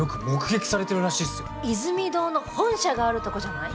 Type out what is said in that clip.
イズミ堂の本社があるとこじゃない？